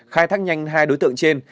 khai thác nhanh hai đối tượng trên